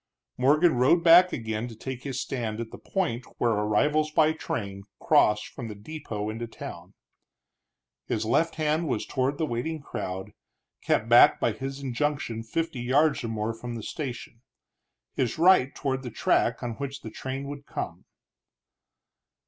Morgan rode back again to take his stand at the point where arrivals by train crossed from depot into town. His left hand was toward the waiting crowd, kept back by his injunction fifty yards or more from the station; his right toward the track on which the train would come.